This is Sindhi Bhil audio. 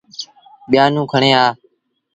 ٻيآنون کڻي آ۔